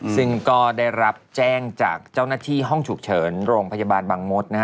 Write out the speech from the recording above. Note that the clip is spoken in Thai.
ซึ่งก็ได้รับแจ้งจากเจ้าหน้าที่ห้องฉุกเฉินโรงพยาบาลบังมศ